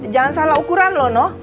jangan salah ukuran lo no